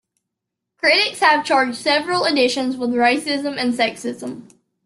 Critics have charged several editions with racism and sexism.